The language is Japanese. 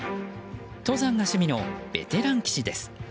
登山が趣味のベテラン棋士です。